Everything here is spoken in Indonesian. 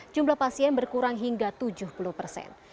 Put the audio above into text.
jumlah pasien berkurang hingga tujuh puluh persen